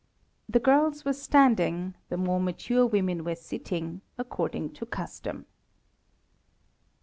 The girls were standing, the more mature women were sitting, according to custom.